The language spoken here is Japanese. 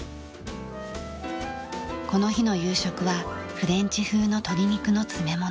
この日の夕食はフレンチ風の鶏肉の詰め物。